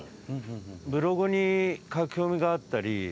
ブログに書き込みがあったり。